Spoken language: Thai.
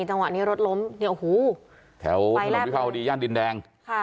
จังหวะนี้รถล้มแถวถนนบิพาวดีย่านดินแดง